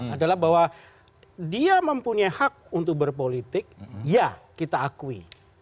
adalah bahwa dia mempunyai hak untuk berpolitik ya kita akui